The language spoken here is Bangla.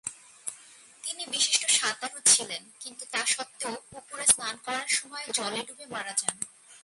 তিনি বিশিষ্ট সাঁতারু ছিলেন কিন্তু তা সত্ত্বেও পুকুরে স্নান করার সময়ে জলে ডুবে মারা যান।